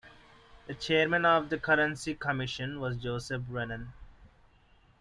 The Chairman of the Currency Commission was Joseph Brennan.